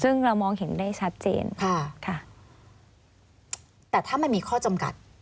ซึ่งเรามองเห็นได้ชัดเจนค่ะค่ะแต่ถ้ามันมีข้อจำกัด